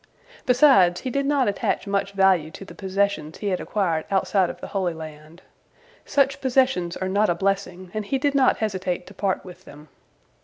Besides, he did not attach much value to the possessions he had acquired outside of the Holy Land. Such possessions are not a blessing, and he did not hesitate to part with them.